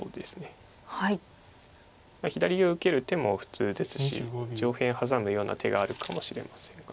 左を受ける手も普通ですし上辺ハサむような手があるかもしれませんが。